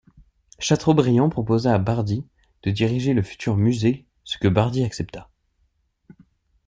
Chateaubriand proposa à Bardi de diriger le futur musée ce que Bardi accepta.